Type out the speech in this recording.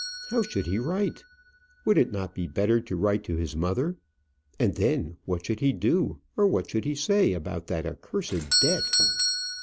How should he write? Would it not be better to write to his mother? And then what should he do, or what should he say, about that accursed debt?